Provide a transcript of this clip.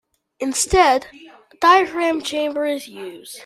Instead, a diaphragm chamber is used.